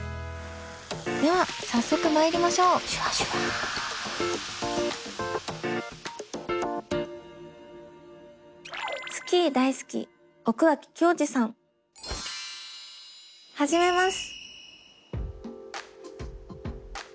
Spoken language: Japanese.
では早速まいりましょう始めます。